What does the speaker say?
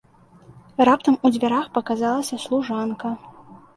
Раптам у дзвярах паказалася служанка.